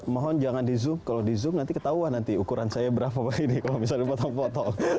mohon jangan di zoom kalau di zoom nanti ketahuan nanti ukuran saya berapa pak ini kalau misalnya dipotong potong